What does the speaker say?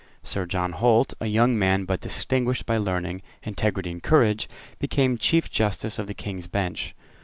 Sir John Holt, a young man, but distinguished by learning, integrity, and courage, became Chief Justice of the King's Bench.